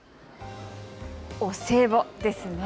お歳暮ですね。